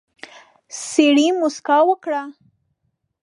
سړي موسکا وکړه.